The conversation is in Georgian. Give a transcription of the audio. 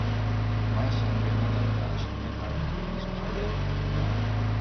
მას ამჟამად არ გააჩნია ქართული ენის მხარდაჭერა.